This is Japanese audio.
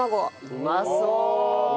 うまそう！